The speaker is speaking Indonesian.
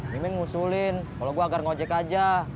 mimin ngusulin kalau gue agar ngecek aja